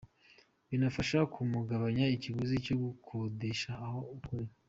Binafasha mu kugabanya ikiguzi cyo gukodesha aho gukorera.”